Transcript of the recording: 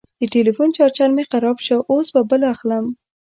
د ټلیفون چارجر مې خراب شو، اوس به بل اخلم.